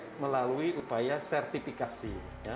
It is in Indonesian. baik melalui upaya sertifikasi